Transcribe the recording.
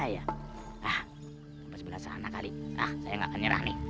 ya sebelah mana ya